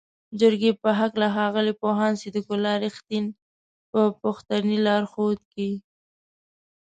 جرګې په هکله ښاغلي پوهاند صدیق الله "رښتین" په پښتني لارښود کې